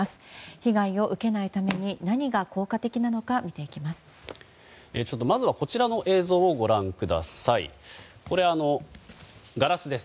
被害を受けないために何が効果的なのか見ていきます。